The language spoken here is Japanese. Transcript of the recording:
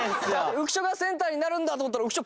浮所がセンターになるんだと思ったら浮所